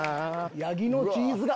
「ヤギのチーズが」